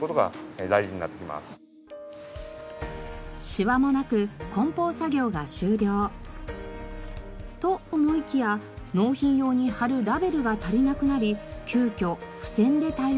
シワもなく梱包作業が終了。と思いきや納品用に貼るラベルが足りなくなり急きょ付箋で対応しました。